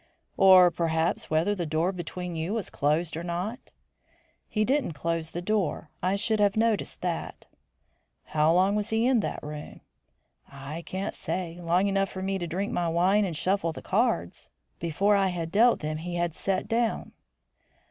"Or, perhaps, whether the door between you was closed or not?" "He didn't close the door; I should have noticed that." "How long was he in that room?" "I can't say. Long enough for me to drink my wine and shuffle the cards. Before I had dealt them he had set down."